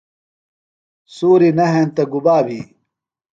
سُوری نہ ہنتہ گُبا بھی؟